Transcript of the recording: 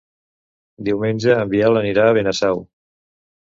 Diumenge en Biel anirà a Benasau.